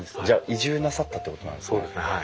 じゃあ移住なさったってことなんですか？